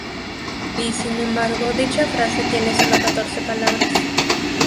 Y, sin embargo, dicha frase tiene sólo catorce palabras.